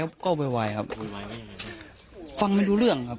ก็โวยวายครับโวยวายว่ายังไงฟังไม่รู้เรื่องครับ